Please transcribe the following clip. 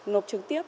nộp trực tiếp